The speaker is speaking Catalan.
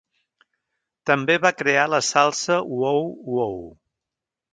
També va crear la salsa Wow-Wow.